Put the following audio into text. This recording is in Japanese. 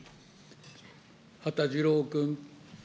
羽田次郎君。